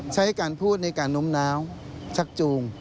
ใช้การพูดในการน้มน้าวชักจูง